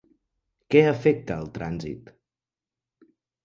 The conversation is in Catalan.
Què afecta el trànsit?